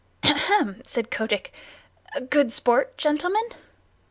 "Ahem!" said Kotick. "Good sport, gentlemen?"